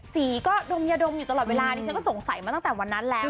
สีก็ดมยาดมอยู่ตลอดเวลาดิฉันก็สงสัยมาตั้งแต่วันนั้นแล้ว